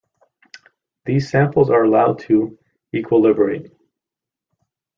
These samples are allowed to equilibrate.